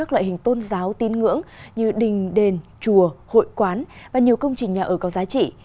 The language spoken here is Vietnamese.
chùa hội quán và nhiều công trình nhà ở có giá trị